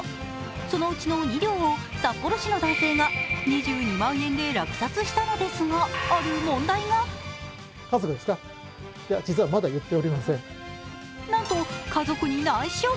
そのうちの２両を札幌市の男性が２２万円で落札したのですが、ある問題がなんと、家族に内緒。